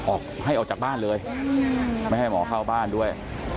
ให้ออกจากบ้านเลยไม่ให้หมอเข้าบ้านด้วย